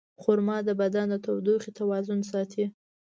خرما د بدن د تودوخې توازن ساتي.